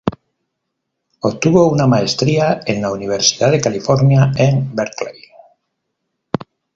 Obtuvo una maestría en la Universidad de California en Berkeley.